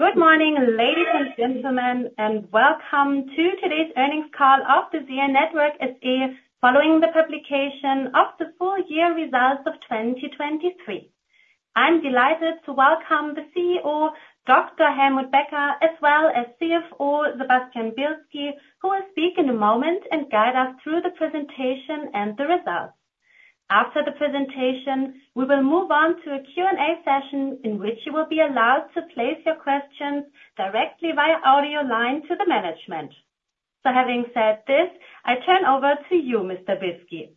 Good morning, ladies and gentlemen, and welcome to today's earnings call of the ZEAL Network SE following the publication of the full year results of 2023. I'm delighted to welcome the CEO, Dr. Helmut Becker, as well as CFO Sebastian Bielski, who will speak in a moment and guide us through the presentation and the results. After the presentation, we will move on to a Q&A session in which you will be allowed to place your questions directly via audio line to the management. So having said this, I turn over to you, Mr. Bielski.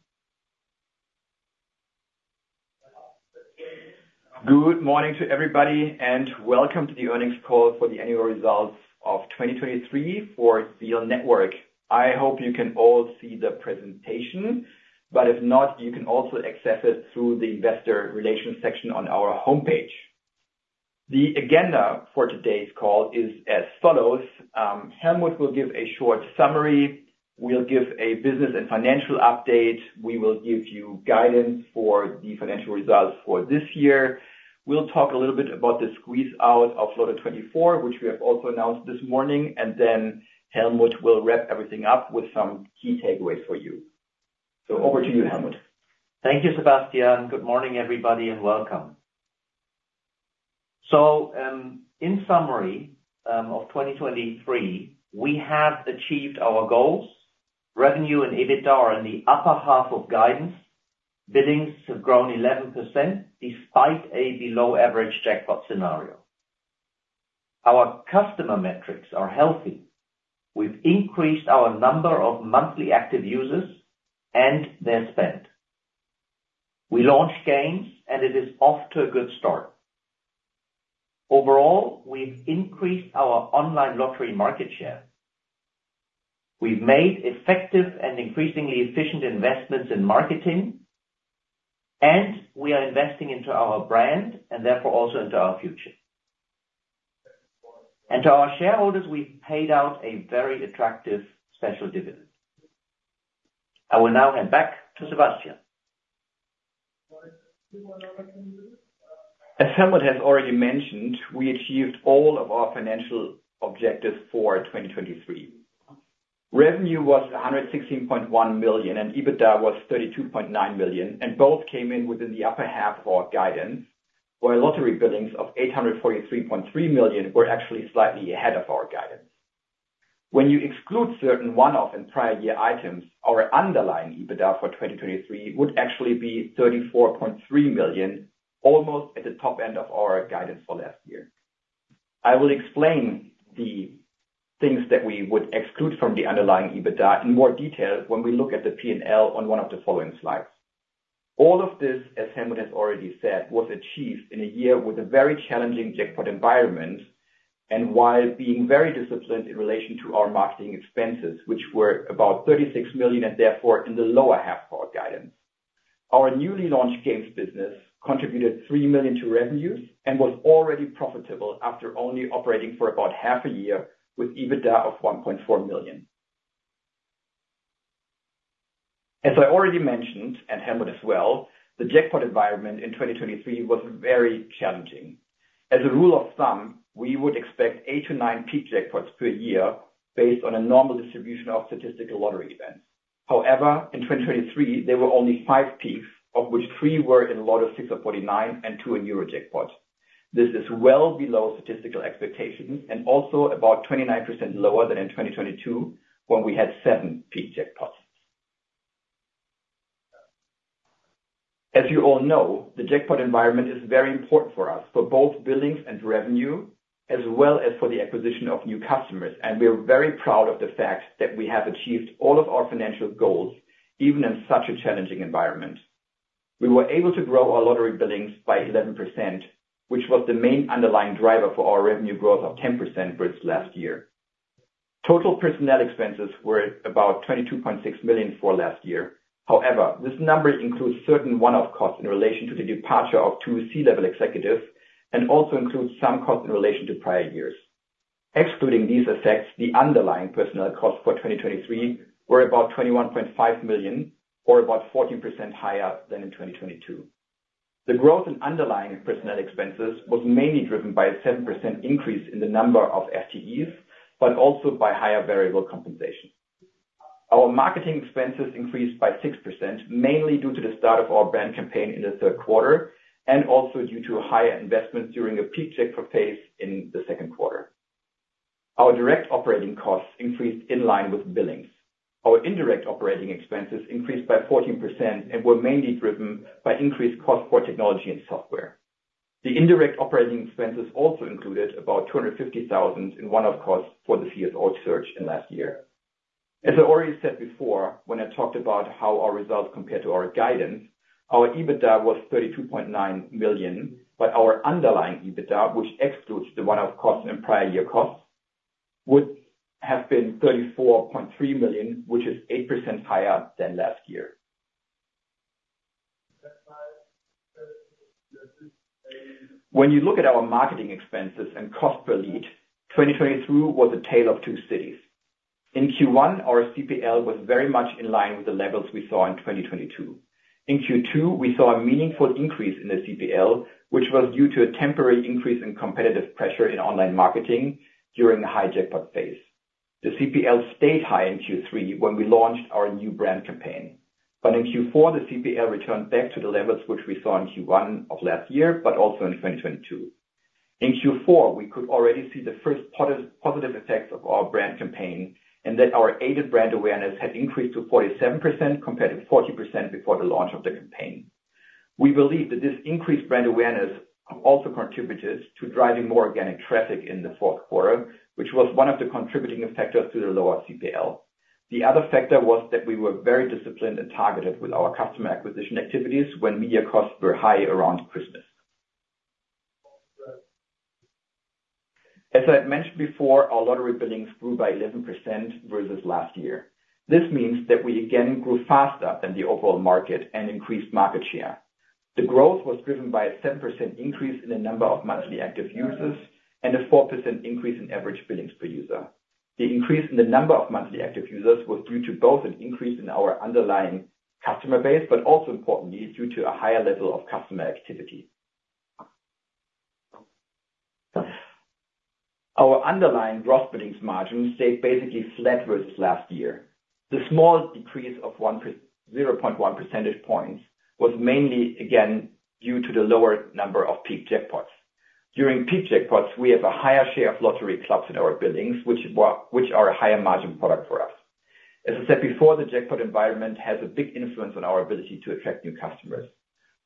Good morning to everybody and welcome to the earnings call for the annual results of 2023 for ZEAL Network. I hope you can all see the presentation, but if not, you can also access it through the investor relations section on our homepage. The agenda for today's call is as follows: Helmut will give a short summary, we'll give a business and financial update, we will give you guidance for the financial results for this year, we'll talk a little bit about the squeeze-out of Lotto24, which we have also announced this morning, and then Helmut will wrap everything up with some key takeaways for you. So over to you, Helmut. Thank you, Sebastian. Good morning, everybody, and welcome. So in summary of 2023, we have achieved our goals. Revenue and EBITDA are in the upper half of guidance. Billings have grown 11% despite a below-average jackpot scenario. Our customer metrics are healthy. We've increased our number of monthly active users and their spend. We launched Games, and it is off to a good start. Overall, we've increased our online lottery market share. We've made effective and increasingly efficient investments in marketing, and we are investing into our brand and therefore also into our future. And to our shareholders, we've paid out a very attractive special dividend. I will now hand back to Sebastian. As Helmut has already mentioned, we achieved all of our financial objectives for 2023. Revenue was 116.1 million and EBITDA was 32.9 million, and both came in within the upper half of our guidance, while lottery billings of 843.3 million were actually slightly ahead of our guidance. When you exclude certain one-off and prior-year items, our underlying EBITDA for 2023 would actually be 34.3 million, almost at the top end of our guidance for last year. I will explain the things that we would exclude from the underlying EBITDA in more detail when we look at the P&L on one of the following slides. All of this, as Helmut has already said, was achieved in a year with a very challenging jackpot environment and while being very disciplined in relation to our marketing expenses, which were about 36 million and therefore in the lower half of our guidance. Our newly launched games business contributed 3 million to revenues and was already profitable after only operating for about half a year with EBITDA of 1.4 million. As I already mentioned, and Helmut as well, the jackpot environment in 2023 was very challenging. As a rule of thumb, we would expect eight to nine peak jackpots per year based on a normal distribution of statistical lottery events. However, in 2023, there were only five peaks, of which three were in Lotto 6aus49 and two in Eurojackpot. This is well below statistical expectations and also about 29% lower than in 2022 when we had seven peak jackpots. As you all know, the jackpot environment is very important for us, for both billings and revenue, as well as for the acquisition of new customers, and we are very proud of the fact that we have achieved all of our financial goals, even in such a challenging environment. We were able to grow our lottery billings by 11%, which was the main underlying driver for our revenue growth of 10% versus last year. Total personnel expenses were about 22.6 million for last year. However, this number includes certain one-off costs in relation to the departure of two C-level executives and also includes some costs in relation to prior years. Excluding these effects, the underlying personnel costs for 2023 were about 21.5 million, or about 14% higher than in 2022. The growth in underlying personnel expenses was mainly driven by a 7% increase in the number of FTEs, but also by higher variable compensation. Our marketing expenses increased by 6%, mainly due to the start of our brand campaign in the third quarter and also due to higher investments during a peak jackpot phase in the second quarter. Our direct operating costs increased in line with billings. Our indirect operating expenses increased by 14% and were mainly driven by increased costs for technology and software. The indirect operating expenses also included about 250,000 in one-off costs for the CSO search in last year. As I already said before, when I talked about how our results compared to our guidance, our EBITDA was 32.9 million, but our underlying EBITDA, which excludes the one-off costs and prior-year costs, would have been 34.3 million, which is 8% higher than last year. When you look at our marketing expenses and cost per lead, 2023 was a tale of two cities. In Q1, our CPL was very much in line with the levels we saw in 2022. In Q2, we saw a meaningful increase in the CPL, which was due to a temporary increase in competitive pressure in online marketing during a high jackpot phase. The CPL stayed high in Q3 when we launched our new brand campaign, but in Q4, the CPL returned back to the levels which we saw in Q1 of last year, but also in 2022. In Q4, we could already see the first positive effects of our brand campaign and that our aided brand awareness had increased to 47% compared to 40% before the launch of the campaign. We believe that this increased brand awareness also contributed to driving more organic traffic in the fourth quarter, which was one of the contributing factors to the lower CPL. The other factor was that we were very disciplined and targeted with our customer acquisition activities when media costs were high around Christmas. As I had mentioned before, our lottery billings grew by 11% versus last year. This means that we again grew faster than the overall market and increased market share. The growth was driven by a 7% increase in the number of monthly active users and a 4% increase in average billings per user. The increase in the number of monthly active users was due to both an increase in our underlying customer base, but also importantly due to a higher level of customer activity. Our underlying gross billings margin stayed basically flat versus last year. The small decrease of 0.1 percentage points was mainly, again, due to the lower number of peak jackpots. During peak jackpots, we have a higher share of lottery clubs in our billings, which are a higher margin product for us. As I said before, the jackpot environment has a big influence on our ability to attract new customers.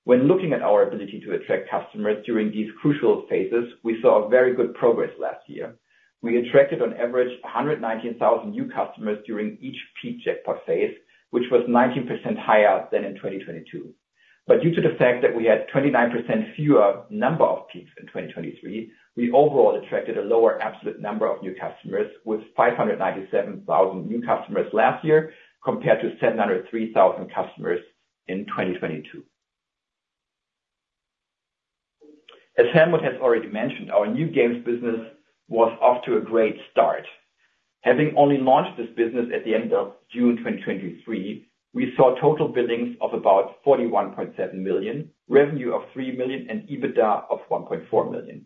When looking at our ability to attract customers during these crucial phases, we saw a very good progress last year. We attracted on average 119,000 new customers during each peak jackpot phase, which was 19% higher than in 2022. But due to the fact that we had 29% fewer number of peaks in 2023, we overall attracted a lower absolute number of new customers, with 597,000 new customers last year compared to 703,000 customers in 2022. As Helmut has already mentioned, our new games business was off to a great start. Having only launched this business at the end of June 2023, we saw total billings of about 41.7 million, revenue of 3 million, and EBITDA of 1.4 million.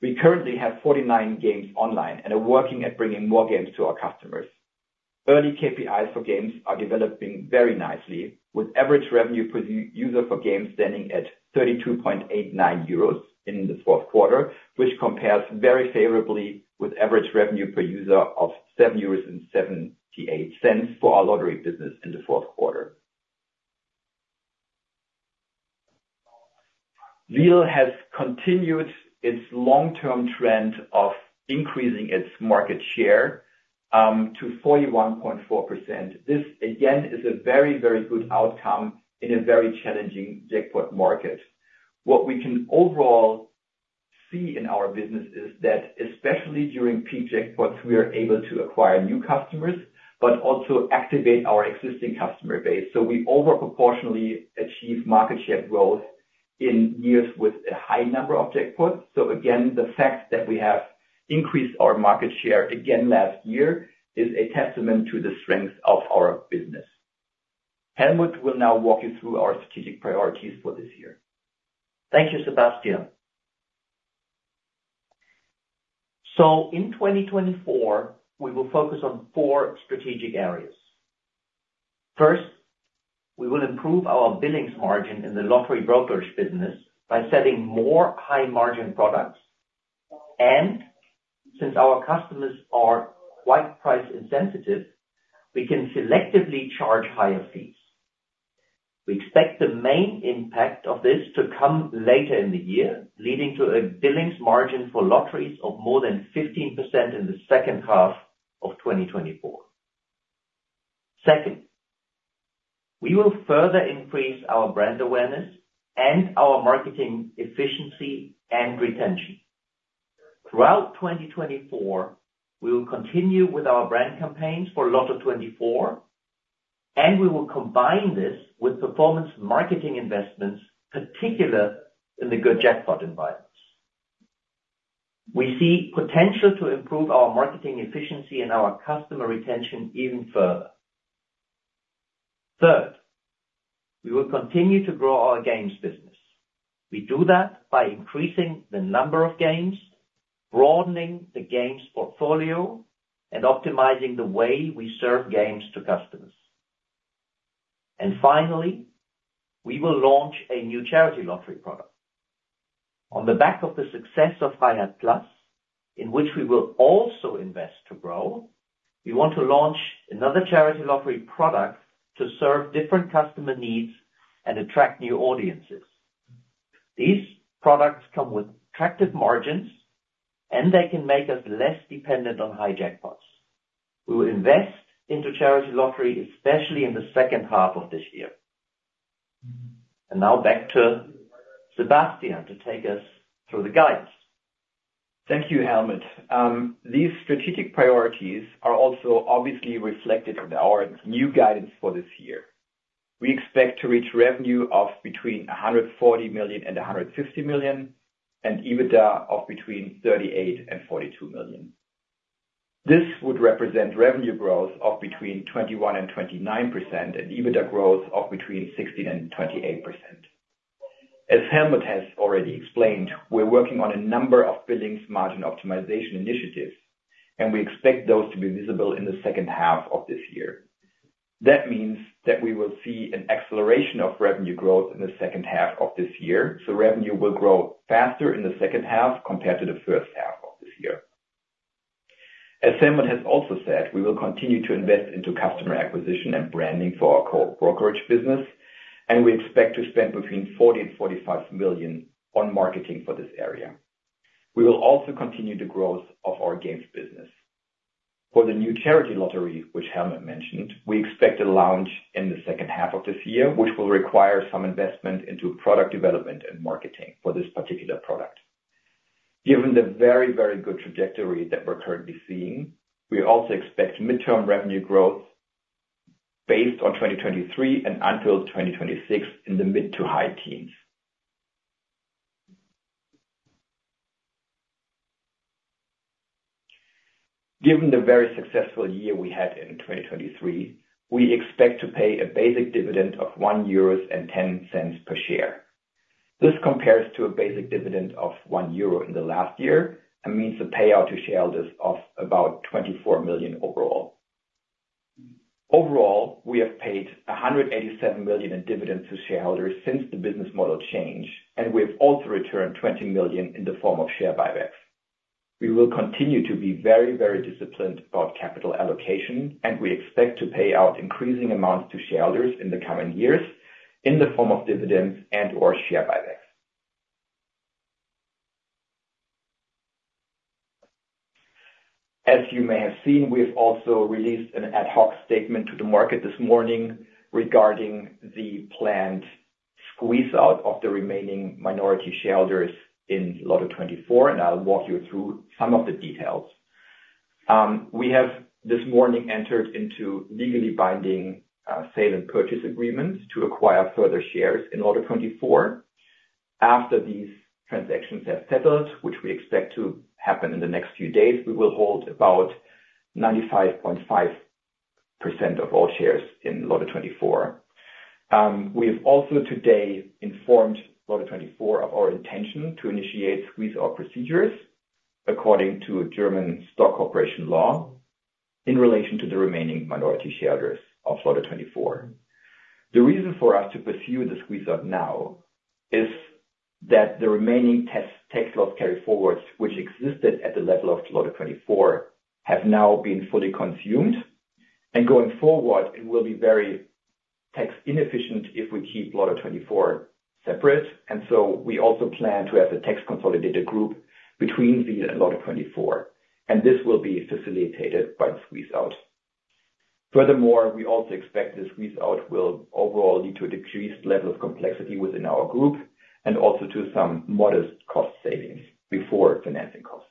We currently have 49 games online and are working at bringing more games to our customers. Early KPIs for games are developing very nicely, with average revenue per user for games standing at 32.89 euros in the fourth quarter, which compares very favorably with average revenue per user of 0.0778 for our lottery business in the fourth quarter. ZEAL has continued its long-term trend of increasing its market share to 41.4%. This, again, is a very, very good outcome in a very challenging jackpot market. What we can overall see in our business is that especially during peak jackpots, we are able to acquire new customers, but also activate our existing customer base. We over proportionately achieve market share growth in years with a high number of jackpots. Again, the fact that we have increased our market share again last year is a testament to the strength of our business. Helmut will now walk you through our strategic priorities for this year. Thank you, Sebastian. So in 2024, we will focus on four strategic areas. First, we will improve our billings margin in the lottery brokerage business by setting more high-margin products. And since our customers are quite price insensitive, we can selectively charge higher fees. We expect the main impact of this to come later in the year, leading to a billings margin for lotteries of more than 15% in the second half of 2024. Second, we will further increase our brand awareness and our marketing efficiency and retention. Throughout 2024, we will continue with our brand campaigns for Lotto24, and we will combine this with performance marketing investments, particularly in the good jackpot environments. We see potential to improve our marketing efficiency and our customer retention even further. Third, we will continue to grow our games business. We do that by increasing the number of games, broadening the games portfolio, and optimizing the way we serve games to customers. Finally, we will launch a new charity lottery product. On the back of the success of High Hat Plus, in which we will also invest to grow, we want to launch another charity lottery product to serve different customer needs and attract new audiences. These products come with attractive margins, and they can make us less dependent on high jackpots. We will invest into charity lottery, especially in the second half of this year. Now back to Sebastian to take us through the guidance. Thank you, Helmut. These strategic priorities are also obviously reflected in our new guidance for this year. We expect to reach revenue of between 140 million and 150 million and EBITDA of between 38 million and 42 million. This would represent revenue growth of between 21% and 29% and EBITDA growth of between 16% and 28%. As Helmut has already explained, we're working on a number of billings margin optimization initiatives, and we expect those to be visible in the second half of this year. That means that we will see an acceleration of revenue growth in the second half of this year. So revenue will grow faster in the second half compared to the first half of this year. As Helmut has also said, we will continue to invest into customer acquisition and branding for our brokerage business, and we expect to spend between 40 million and 45 million on marketing for this area. We will also continue the growth of our games business. For the new charity lottery, which Helmut mentioned, we expect a launch in the second half of this year, which will require some investment into product development and marketing for this particular product. Given the very, very good trajectory that we're currently seeing, we also expect midterm revenue growth based on 2023 and until 2026 in the mid to high teens. Given the very successful year we had in 2023, we expect to pay a basic dividend of 1.10 euro per share. This compares to a basic dividend of 1 euro in the last year and means the payout to shareholders of about 24 million overall. Overall, we have paid 187 million in dividends to shareholders since the business model change, and we have also returned 20 million in the form of share buybacks. We will continue to be very, very disciplined about capital allocation, and we expect to pay out increasing amounts to shareholders in the coming years in the form of dividends and/or share buybacks. As you may have seen, we have also released an ad hoc statement to the market this morning regarding the planned squeeze-out of the remaining minority shareholders in Lotto24, and I'll walk you through some of the details. We have this morning entered into legally binding sale and purchase agreements to acquire further shares in Lotto24. After these transactions have settled, which we expect to happen in the next few days, we will hold about 95.5% of all shares in Lotto24. We have also today informed Lotto24 of our intention to initiate squeeze-out procedures according to German stock corporation law in relation to the remaining minority shareholders of Lotto24. The reason for us to pursue the squeeze-out now is that the remaining tax loss carryforwards, which existed at the level of Lotto24, have now been fully consumed. Going forward, it will be very tax inefficient if we keep Lotto24 separate. We also plan to have a tax consolidation group between ZEAL and Lotto24, and this will be facilitated by the squeeze-out. Furthermore, we also expect the squeeze-out will overall lead to a decreased level of complexity within our group and also to some modest cost savings before financing costs.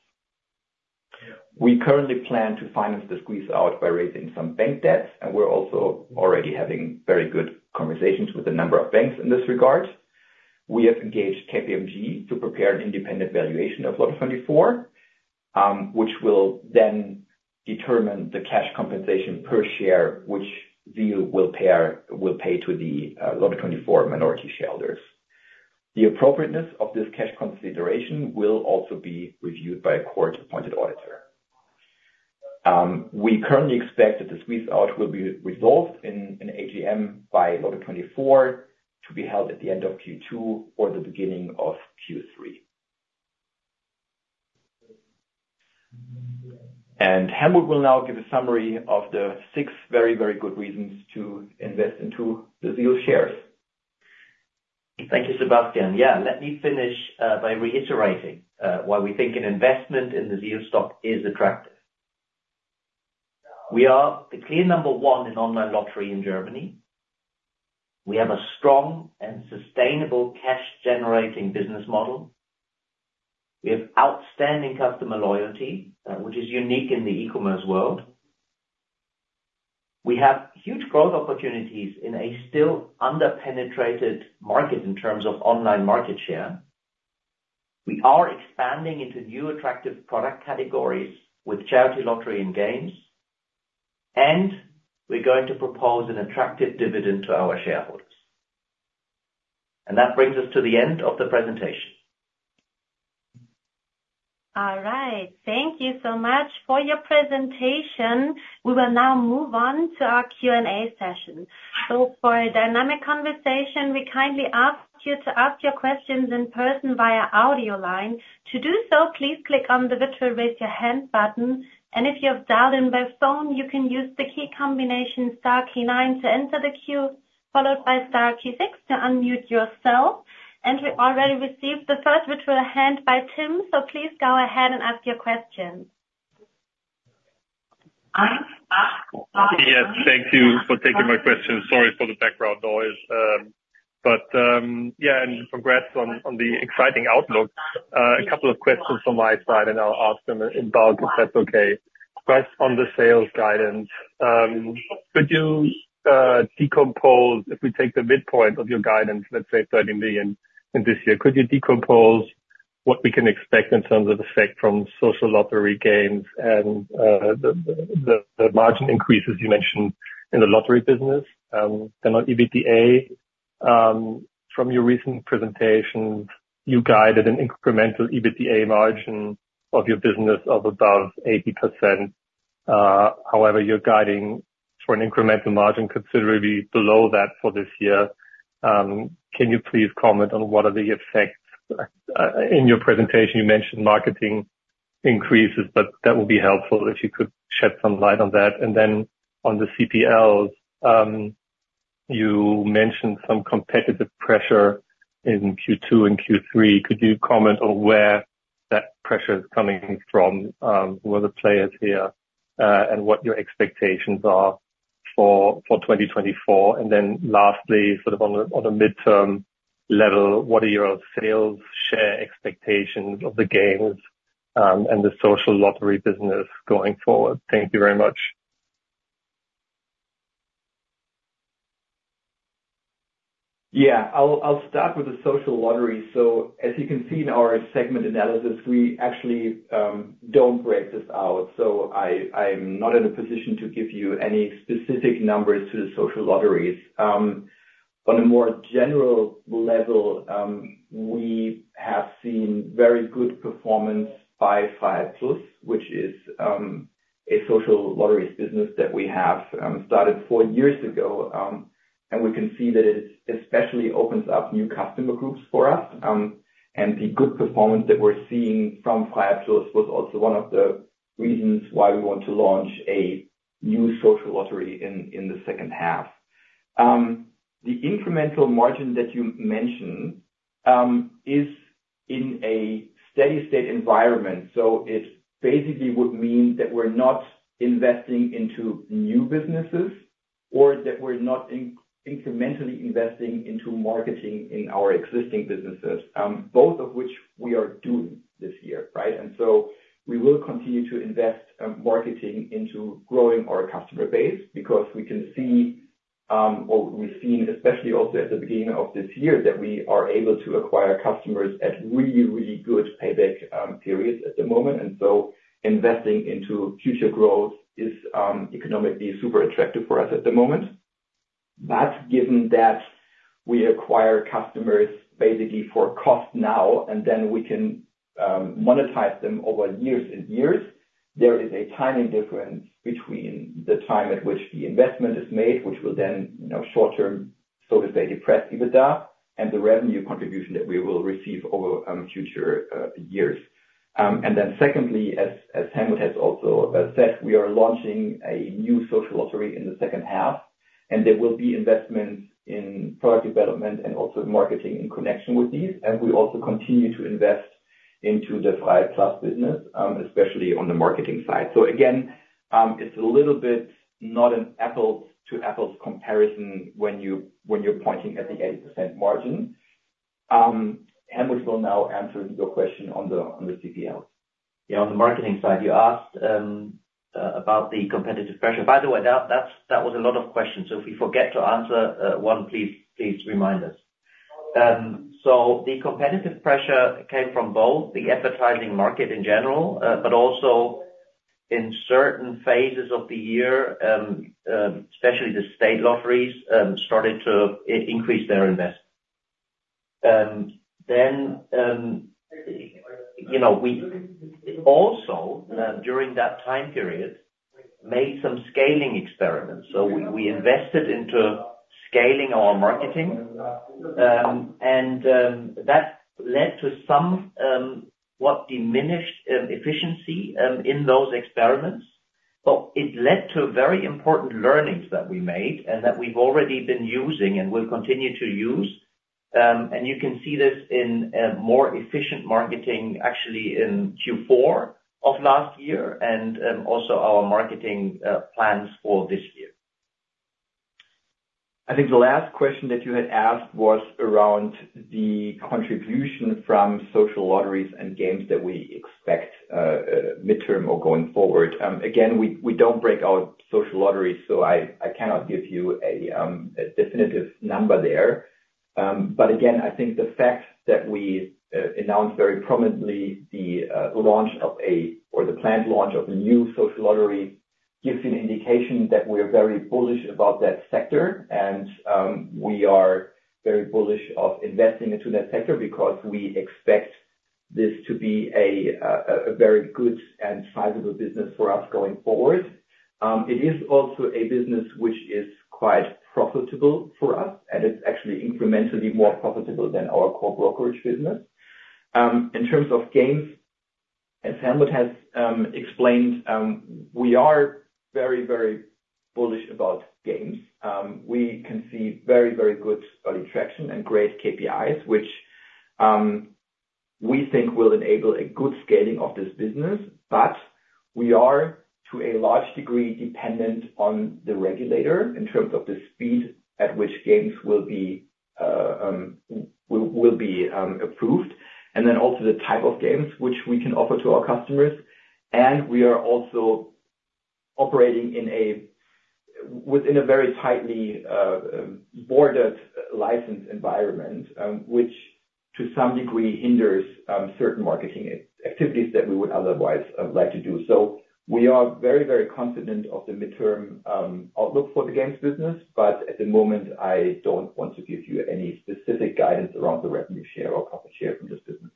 We currently plan to finance the squeeze-out by raising some bank debts, and we're also already having very good conversations with a number of banks in this regard. We have engaged KPMG to prepare an independent valuation of Lotto24, which will then determine the cash compensation per share which ZEAL will pay to the Lotto24 minority shareholders. The appropriateness of this cash consideration will also be reviewed by a court-appointed auditor. We currently expect that the squeeze-out will be resolved in an AGM by Lotto24 to be held at the end of Q2 or the beginning of Q3. Helmut will now give a summary of the six very, very good reasons to invest into the ZEAL shares. Thank you, Sebastian. Yeah, let me finish by reiterating why we think an investment in the ZEAL stock is attractive. We are the clear number one in online lottery in Germany. We have a strong and sustainable cash-generating business model. We have outstanding customer loyalty, which is unique in the e-commerce world. We have huge growth opportunities in a still under-penetrated market in terms of online market share. We are expanding into new attractive product categories with charity lottery and games, and we're going to propose an attractive dividend to our shareholders. That brings us to the end of the presentation. All right. Thank you so much for your presentation. We will now move on to our Q&A session. So for a dynamic conversation, we kindly ask you to ask your questions in person via audio line. To do so, please click on the virtual raise your hand button. And if you have dialed in by phone, you can use the key combination star key nine to enter the queue, followed by star key six to unmute yourself. And we already received the first virtual hand by Tim, so please go ahead and ask your questions. Yes, thank you for taking my question. Sorry for the background noise. But yeah, and congrats on the exciting outlook. A couple of questions from my side, and I'll ask them in bulk if that's okay. First, on the sales guidance, could you decompose if we take the midpoint of your guidance, let's say 30 million in this year, could you decompose what we can expect in terms of effect from social lottery games and the margin increases you mentioned in the lottery business? Then on EBITDA, from your recent presentation, you guided an incremental EBITDA margin of your business of above 80%. However, you're guiding for an incremental margin considerably below that for this year. Can you please comment on what are the effects? In your presentation, you mentioned marketing increases, but that will be helpful if you could shed some light on that. And then on the CPLs, you mentioned some competitive pressure in Q2 and Q3. Could you comment on where that pressure is coming from, who are the players here, and what your expectations are for 2024? And then lastly, sort of on a midterm level, what are your sales share expectations of the games and the social lottery business going forward? Thank you very much. Yeah, I'll start with the social lottery. So as you can see in our segment analysis, we actually don't break this out. So I'm not in a position to give you any specific numbers to the social lotteries. On a more general level, we have seen very good performance by High Hat Plus, which is a social lotteries business that we have started four years ago. And we can see that it especially opens up new customer groups for us. And the good performance that we're seeing from High Hat Plus was also one of the reasons why we want to launch a new social lottery in the second half. The incremental margin that you mentioned is in a steady-state environment. So it basically would mean that we're not investing into new businesses or that we're not incrementally investing into marketing in our existing businesses, both of which we are doing this year, right? And so we will continue to invest marketing into growing our customer base because we can see or we've seen, especially also at the beginning of this year, that we are able to acquire customers at really, really good payback periods at the moment. And so investing into future growth is economically super attractive for us at the moment. But given that we acquire customers basically for cost now, and then we can monetize them over years and years, there is a timing difference between the time at which the investment is made, which will then short-term, so to say, depress EBITDA, and the revenue contribution that we will receive over future years. Then secondly, as Helmut has also said, we are launching a new social lottery in the second half, and there will be investments in product development and also marketing in connection with these. We also continue to invest into the Fly Plus business, especially on the marketing side. Again, it's a little bit not an apples-to-apples comparison when you're pointing at the 80% margin. Helmut will now answer your question on the CPLs. Yeah, on the marketing side, you asked about the competitive pressure. By the way, that was a lot of questions. So if we forget to answer one, please remind us. So the competitive pressure came from both the advertising market in general, but also in certain phases of the year, especially the state lotteries started to increase their investments. Then we also, during that time period, made some scaling experiments. So we invested into scaling our marketing, and that led to somewhat diminished efficiency in those experiments. But it led to very important learnings that we made and that we've already been using and will continue to use. And you can see this in more efficient marketing, actually, in Q4 of last year and also our marketing plans for this year. I think the last question that you had asked was around the contribution from social lotteries and games that we expect midterm or going forward. Again, we don't break out social lotteries, so I cannot give you a definitive number there. But again, I think the fact that we announced very prominently the launch of a or the planned launch of a new social lottery gives you an indication that we are very bullish about that sector, and we are very bullish of investing into that sector because we expect this to be a very good and sizable business for us going forward. It is also a business which is quite profitable for us, and it's actually incrementally more profitable than our core brokerage business. In terms of games, as Helmut has explained, we are very, very bullish about games. We can see very, very good early traction and great KPIs, which we think will enable a good scaling of this business. But we are, to a large degree, dependent on the regulator in terms of the speed at which games will be approved, and then also the type of games which we can offer to our customers. And we are also operating within a very tightly bordered licensed environment, which to some degree hinders certain marketing activities that we would otherwise like to do. So we are very, very confident of the midterm outlook for the games business, but at the moment, I don't want to give you any specific guidance around the revenue share or profit share from this business.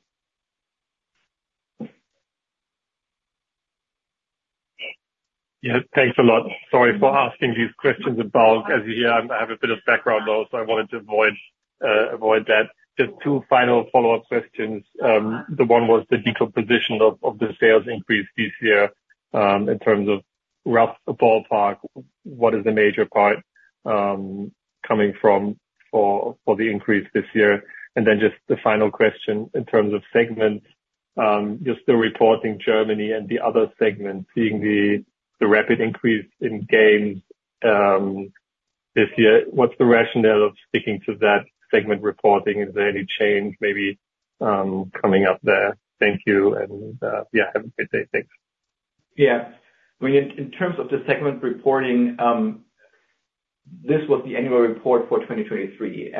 Yeah, thanks a lot. Sorry for asking these questions about as you hear, I have a bit of background noise, so I wanted to avoid that. Just two final follow-up questions. The one was the decomposition of the sales increase this year in terms of rough ballpark, what is the major part coming from for the increase this year? And then just the final question in terms of segments, you're still reporting Germany and the other segments, seeing the rapid increase in games this year. What's the rationale of sticking to that segment reporting? Is there any change maybe coming up there? Thank you. And yeah, have a great day. Thanks. Yeah. I mean, in terms of the segment reporting, this was the annual report for 2023.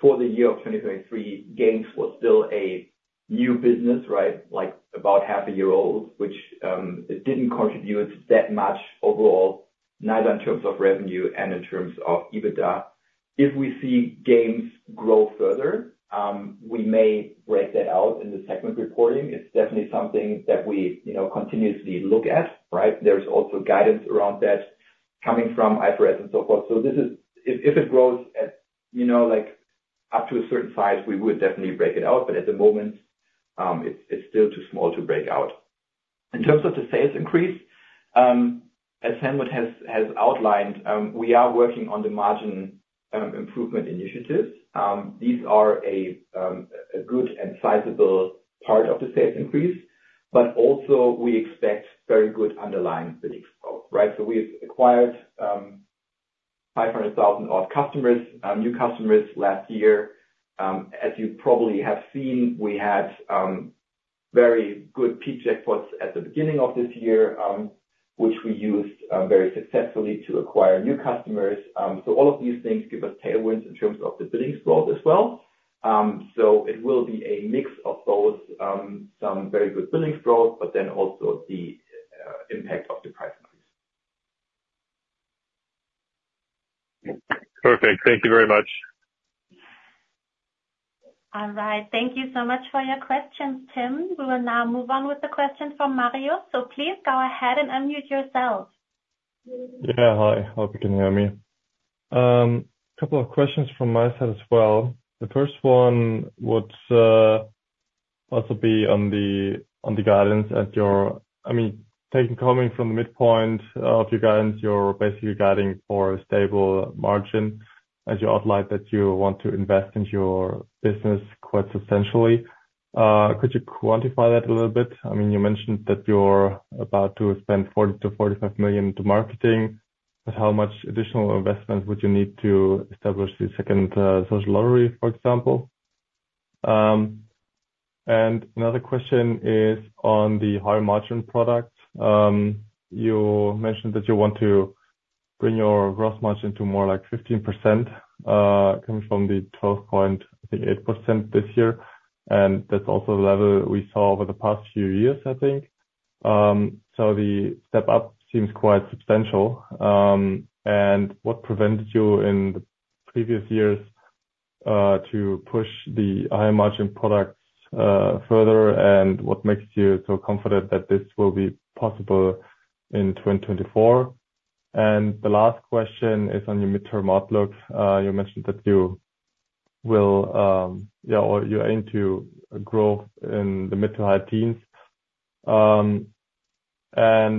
For the year of 2023, Games was still a new business, right, about half a year old, which it didn't contribute that much overall, neither in terms of revenue and in terms of EBITDA. If we see Games grow further, we may break that out in the segment reporting. It's definitely something that we continuously look at, right? There's also guidance around that coming from IFRS and so forth. If it grows up to a certain size, we would definitely break it out. But at the moment, it's still too small to break out. In terms of the sales increase, as Helmut has outlined, we are working on the margin improvement initiatives. These are a good and sizable part of the sales increase. But also, we expect very good underlying billing growth, right? So we've acquired 500,000-odd customers, new customers last year. As you probably have seen, we had very good peak jackpots at the beginning of this year, which we used very successfully to acquire new customers. So all of these things give us tailwinds in terms of the billing growth as well. So it will be a mix of both, some very good billing growth, but then also the impact of the prize market. Perfect. Thank you very much. All right. Thank you so much for your questions, Tim. We will now move on with the questions from Marius. Please go ahead and unmute yourself. Yeah, hi. Hope you can hear me. A couple of questions from my side as well. The first one would also be on the guidance at your, I mean, coming from the midpoint of your guidance, you're basically guiding for a stable margin as you outlined that you want to invest in your business quite substantially. Could you quantify that a little bit? I mean, you mentioned that you're about to spend 40 million-45 million into marketing. But how much additional investment would you need to establish the second social lottery, for example? And another question is on the high margin product. You mentioned that you want to bring your gross margin to more like 15% coming from the 12.8%, I think, this year. And that's also the level we saw over the past few years, I think. So the step up seems quite substantial. What prevented you in the previous years to push the high margin products further? And what makes you so confident that this will be possible in 2024? And the last question is on your midterm outlook. You mentioned that you will, or you aim to grow in the mid to high teens. And I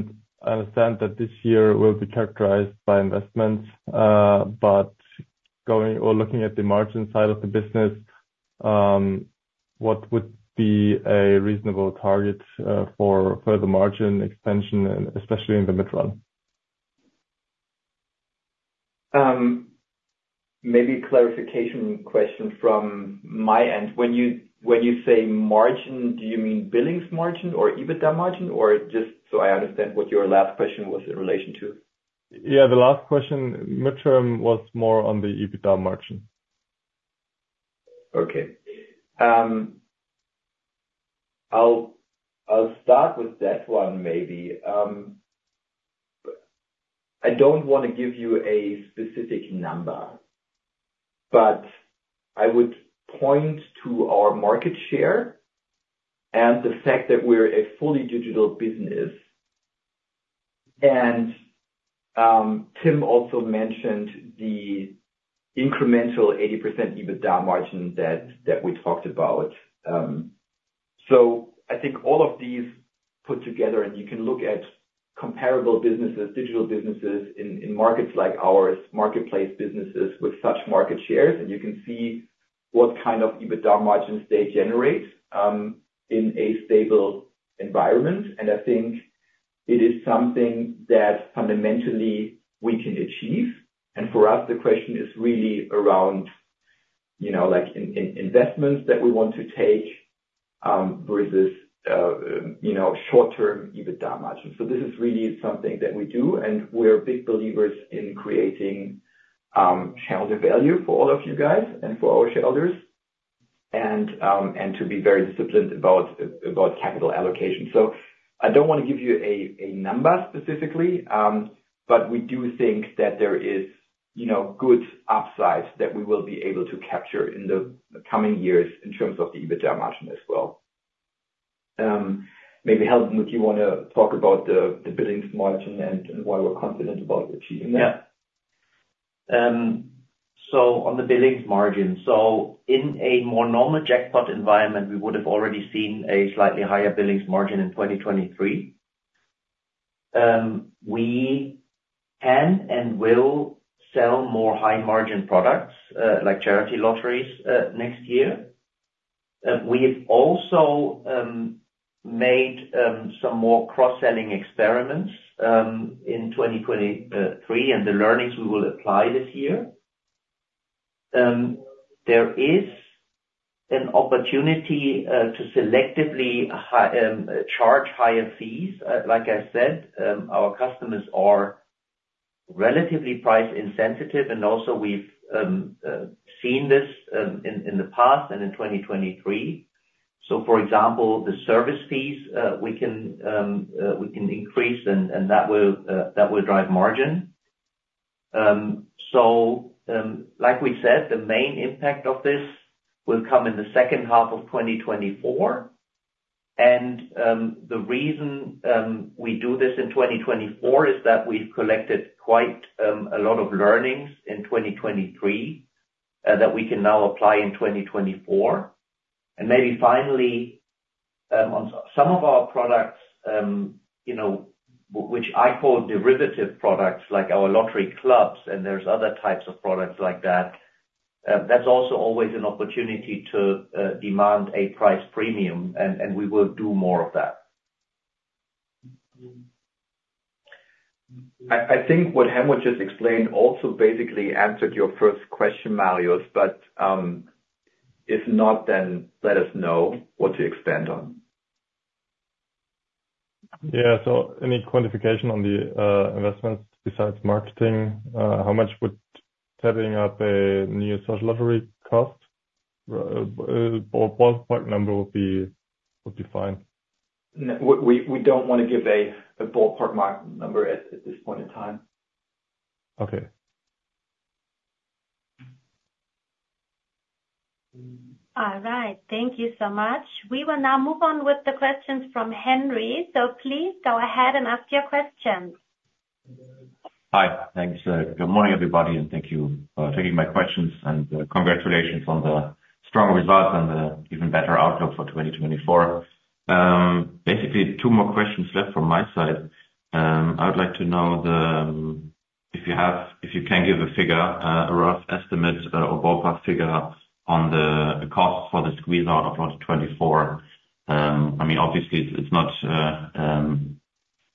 understand that this year will be characterized by investments. But looking at the margin side of the business, what would be a reasonable target for further margin expansion, especially in the mid-run? Maybe clarification question from my end. When you say margin, do you mean Billings margin or EBITDA margin? Or just so I understand what your last question was in relation to. Yeah, the last question, midterm, was more on the EBITDA margin. Okay. I'll start with that one maybe. I don't want to give you a specific number, but I would point to our market share and the fact that we're a fully digital business. And Tim also mentioned the incremental 80% EBITDA margin that we talked about. So I think all of these put together, and you can look at comparable businesses, digital businesses in markets like ours, marketplace businesses with such market shares, and you can see what kind of EBITDA margins they generate in a stable environment. And I think it is something that fundamentally we can achieve. And for us, the question is really around investments that we want to take versus short-term EBITDA margin. So this is really something that we do, and we're big believers in creating shareholder value for all of you guys and for our shareholders and to be very disciplined about capital allocation. So I don't want to give you a number specifically, but we do think that there is good upside that we will be able to capture in the coming years in terms of the EBITDA margin as well. Maybe, Helmut, do you want to talk about the billings margin and why we're confident about achieving that? Yeah. So on the billings margin, so in a more normal jackpot environment, we would have already seen a slightly higher billings margin in 2023. We can and will sell more high margin products like charity lotteries next year. We have also made some more cross-selling experiments in 2023 and the learnings we will apply this year. There is an opportunity to selectively charge higher fees. Like I said, our customers are relatively price insensitive, and also we've seen this in the past and in 2023. So, for example, the service fees, we can increase, and that will drive margin. So, like we said, the main impact of this will come in the second half of 2024. And the reason we do this in 2024 is that we've collected quite a lot of learnings in 2023 that we can now apply in 2024. And maybe finally, on some of our products, which I call derivative products, like our lottery clubs, and there's other types of products like that, that's also always an opportunity to demand a price premium, and we will do more of that. I think what Helmut just explained also basically answered your first question, Marius. But if not, then let us know what to expand on. Yeah. So any quantification on the investments besides marketing, how much would setting up a new social lottery cost? Ballpark number would be fine. We don't want to give a ballpark number at this point in time. Okay. All right. Thank you so much. We will now move on with the questions from Henry. So please go ahead and ask your questions. Hi. Thanks. Good morning, everybody, and thank you for taking my questions. Congratulations on the strong results and the even better outlook for 2024. Basically, two more questions left from my side. I would like to know if you can give a figure, a rough estimate or ballpark figure on the cost for the squeeze-out of 2024. I mean, obviously, it's not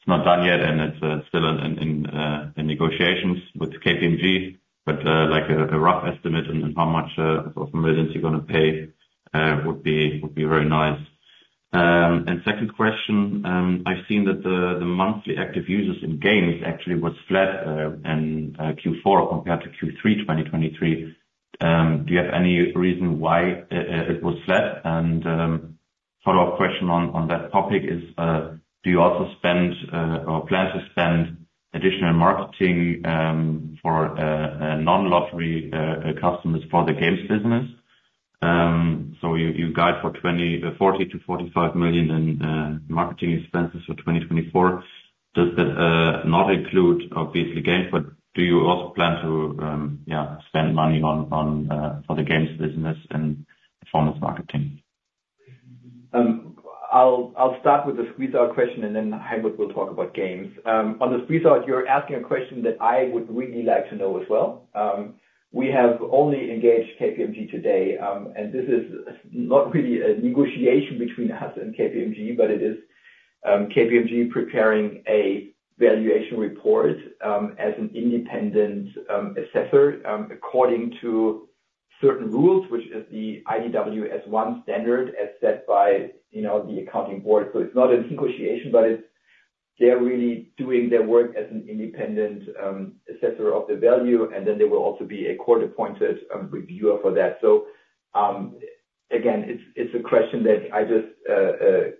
done yet, and it's still in negotiations with KPMG. But a rough estimate on how much of a million you're going to pay would be very nice. Second question, I've seen that the monthly active users in games actually was flat in Q4 compared to Q3 2023. Do you have any reason why it was flat? And part of our question on that topic is, do you also spend or plan to spend additional marketing for non-lottery customers for the games business? So you guide for 40 million-45 million in marketing expenses for 2024. Does that not include, obviously, games? But do you also plan to, yeah, spend money for the games business and performance marketing? I'll start with the squeeze-out question, and then Helmut will talk about games. On the squeeze-out, you're asking a question that I would really like to know as well. We have only engaged KPMG today, and this is not really a negotiation between us and KPMG, but it is KPMG preparing a valuation report as an independent assessor according to certain rules, which is the IDW S 1 standard as set by the accounting board. So it's not a negotiation, but they're really doing their work as an independent assessor of the value, and then there will also be a court-appointed reviewer for that. So again, it's a question that I just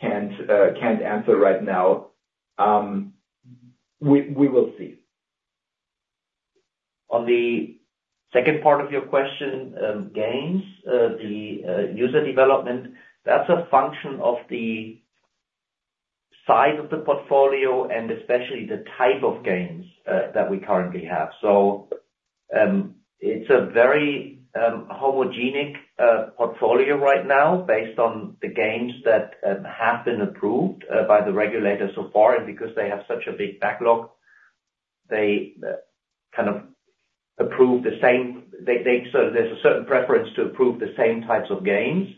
can't answer right now. We will see. On the second part of your question, games, the user development, that's a function of the size of the portfolio and especially the type of games that we currently have. So it's a very homogeneous portfolio right now based on the games that have been approved by the regulator so far. And because they have such a big backlog, they kind of approve the same so there's a certain preference to approve the same types of games.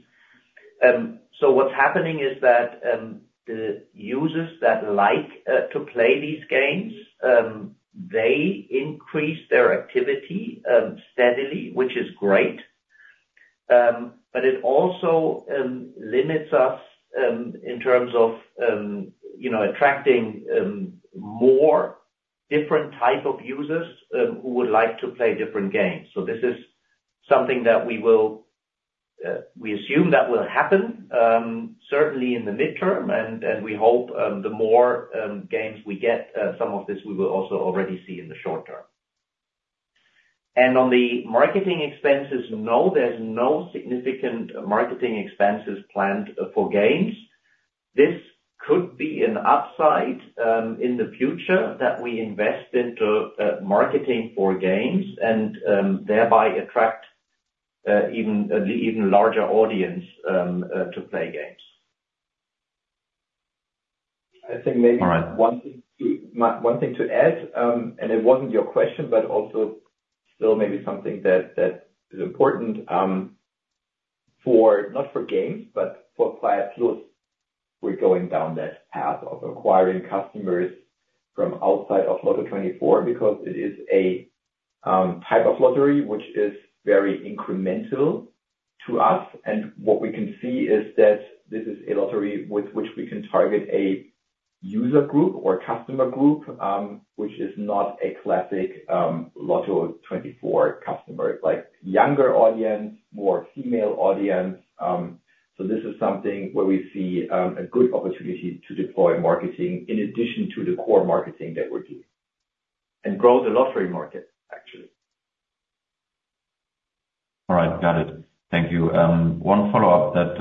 So what's happening is that the users that like to play these games, they increase their activity steadily, which is great. But it also limits us in terms of attracting more different types of users who would like to play different games. So this is something that we assume that will happen, certainly in the midterm. And we hope the more games we get, some of this we will also already see in the short term. And on the marketing expenses, no, there's no significant marketing expenses planned for games. This could be an upside in the future that we invest into marketing for games and thereby attract even a larger audience to play games. I think maybe one thing to add, and it wasn't your question, but also still maybe something that is important for not for games, but for Freiheit+, we're going down that path of acquiring customers from outside of Lotto24 because it is a type of lottery which is very incremental to us. What we can see is that this is a lottery with which we can target a user group or customer group, which is not a classic Lotto24 customer, like younger audience, more female audience. This is something where we see a good opportunity to deploy marketing in addition to the core marketing that we're doing and grow the lottery market, actually. All right. Got it. Thank you. One follow-up that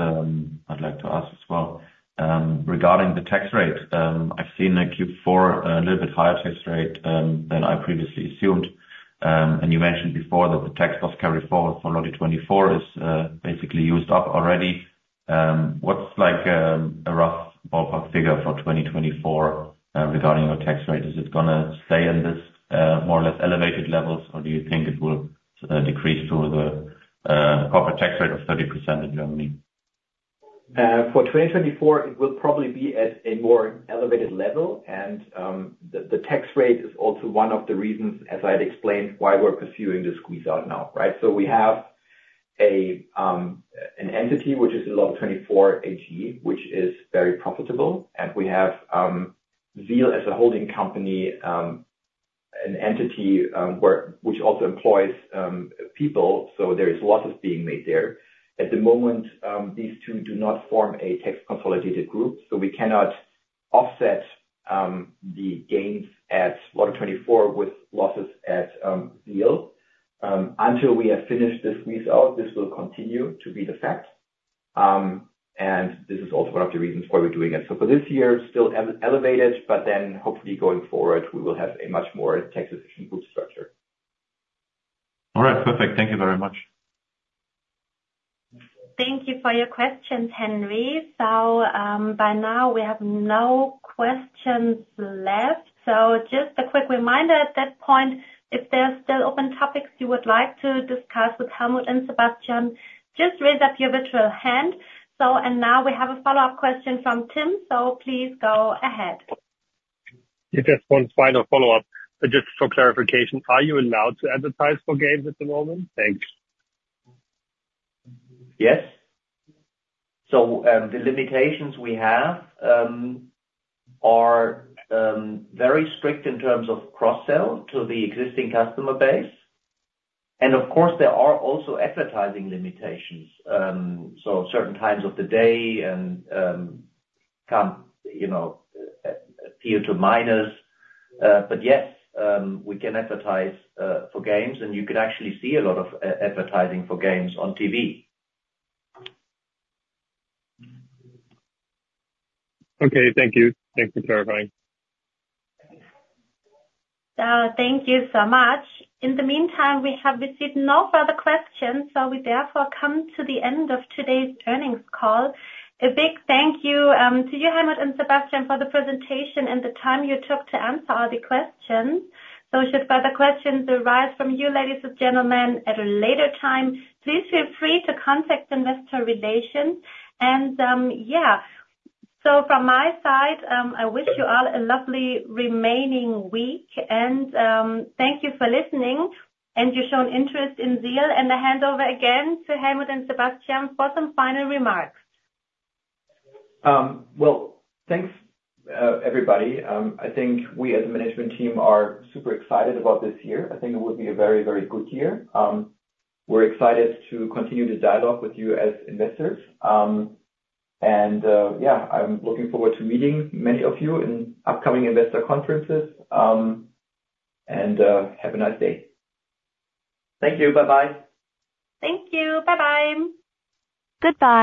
I'd like to ask as well regarding the tax rate. I've seen a Q4 a little bit higher tax rate than I previously assumed. You mentioned before that the tax loss carryforwards for Lotto 24 is basically used up already. What's a rough ballpark figure for 2024 regarding your tax rate? Is it going to stay in this more or less elevated levels, or do you think it will decrease to the corporate tax rate of 30% in Germany? For 2024, it will probably be at a more elevated level. The tax rate is also one of the reasons, as I had explained, why we're pursuing the squeeze-out now, right? We have an entity which is a Lotto24 AG, which is very profitable. We have ZEAL as a holding company, an entity which also employs people. There is losses being made there. At the moment, these two do not form a tax consolidated group. We cannot offset the gains at Lotto24 with losses at ZEAL until we have finished the squeeze-out. This will continue to be the fact. This is also one of the reasons why we're doing it. For this year, still elevated, but then hopefully going forward, we will have a much more tax-efficient group structure. All right. Perfect. Thank you very much. Thank you for your questions, Henry. By now, we have no questions left. Just a quick reminder at that point, if there are still open topics you would like to discuss with Helmut and Sebastian, just raise up your virtual hand. Now we have a follow-up question from Tim. Please go ahead. If that's one final follow-up, just for clarification, are you allowed to advertise for games at the moment? Thanks. Yes. So the limitations we have are very strict in terms of cross-sell to the existing customer base. And of course, there are also advertising limitations. So certain times of the day can appear to minors. But yes, we can advertise for games, and you can actually see a lot of advertising for games on TV. Okay. Thank you. Thanks for clarifying. Thank you so much. In the meantime, we have received no further questions, so we therefore come to the end of today's earnings call. A big thank you to you, Helmut and Sebastian, for the presentation and the time you took to answer all the questions. So should further questions arise from you, ladies and gentlemen, at a later time, please feel free to contact investor relations. And yeah, so from my side, I wish you all a lovely remaining week. And thank you for listening and your shown interest in ZEAL. And the handover again to Helmut and Sebastian for some final remarks. Well, thanks, everybody. I think we, as a management team, are super excited about this year. I think it will be a very, very good year. We're excited to continue the dialogue with you as investors. Yeah, I'm looking forward to meeting many of you in upcoming investor conferences. Have a nice day. Thank you. Bye-bye. Thank you. Bye-bye. Goodbye.